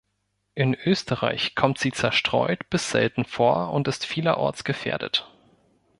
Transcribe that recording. In Österreich kommt sie zerstreut bis selten vor und ist vielerorts gefährdet.